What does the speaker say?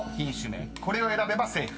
［これを選べばセーフ。